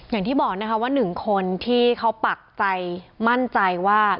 อย่างที่บอกนะคะว่าหนึ่งคนที่เขาปักใจมั่นใจว่า